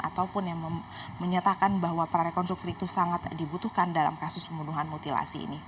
ataupun yang menyatakan bahwa prarekonstruksi itu sangat dibutuhkan dalam kasus pembunuhan mutilasi ini